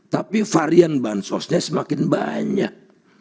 tapi varian bansosnya semakin banyak